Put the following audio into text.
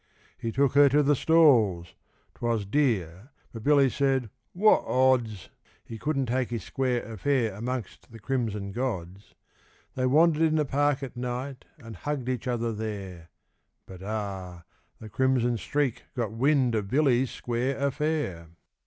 He took her to the stalls; 'twas dear, but Billy said 'Wot odds!' He couldn't take his square affair amongst the crimson gods. They wandered in the park at night, and hugged each other there But, ah! the Crimson Streak got wind of Billy's square affair!